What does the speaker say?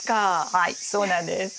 はいそうなんです。